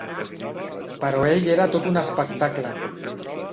Però ell era tot un espectacle.